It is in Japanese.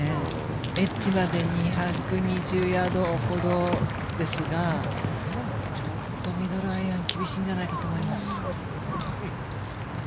エッジまで２２０ヤードほどですがちょっとミドルアイアン厳しいんじゃないかと思います。